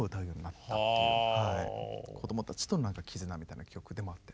こどもたちとの絆みたいな曲でもあって。